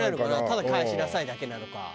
ただ「返しなさい」だけなのか。